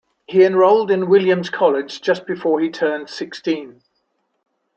He enrolled in Williams College just before he turned sixteen.